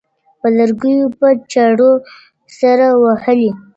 په لرگیو په چړو سره وهلي `